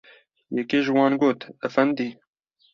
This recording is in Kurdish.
Yekê ji wan got: Efendî!